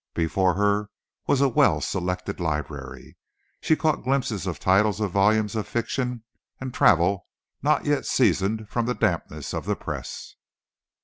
Before her was a well selected library. She caught glimpses of titles of volumes of fiction and travel not yet seasoned from the dampness of the press.